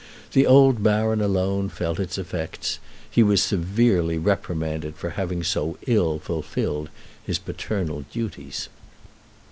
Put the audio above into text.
The old baron alone felt its effects. He was severely reprimanded for having so ill fulfilled his paternal duties."